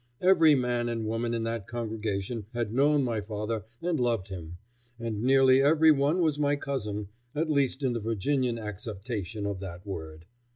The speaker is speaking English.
Every man and woman in that congregation had known my father and loved him, and nearly every one was my cousin, at least in the Virginian acceptation of that word.